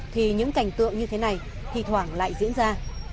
thì những cảnh tượng như thế này thì thoảng lại diễn ra